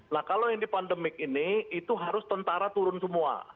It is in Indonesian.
nah kalau yang di pandemik ini itu harus tentara turun semua